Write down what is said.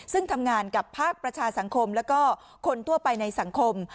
ซึ่งทำงานกับภาคประชาสังคมแล้วก็คนทั่วไปในสังคม